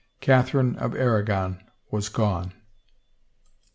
Catherine of Aragon was gone.